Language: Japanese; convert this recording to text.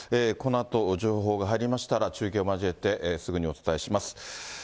このあと、情報が入りましたら中継を交えてすぐにお伝えします。